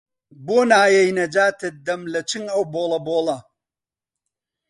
بۆ نایەی نەجاتت دەم لە چنگ ئەو بۆڵە بۆڵە